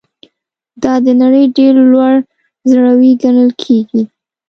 دا د نړۍ ډېر لوړ ځړوی ګڼل کیږي.